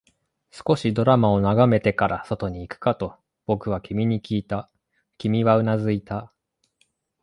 少しドラマを眺めてから、外に行くかと僕は君にきいた、君はうなずいた